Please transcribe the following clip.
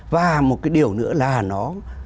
và một cái điều nữa là nó